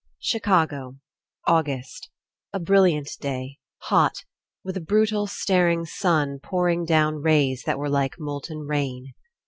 Chicago. August. A brilliant day, hot, with a brutal staring sun pouring down rays that were like molten rain.